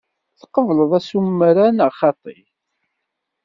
Tqebleḍ asumer-a neɣ xaṭi?